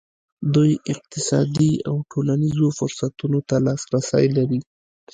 دوی اقتصادي او ټولنیزو فرصتونو ته لاسرسی لري.